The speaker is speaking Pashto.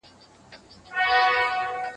زه به د کور کارونه کړي وي..